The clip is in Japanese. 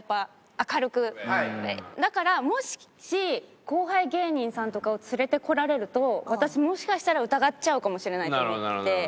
だからもし後輩芸人さんとかを連れてこられると私もしかしたら疑っちゃうかもしれないと思って。